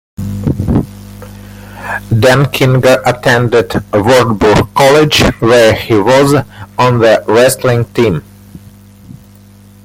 Denkinger attended Wartburg College where he was on the wrestling team.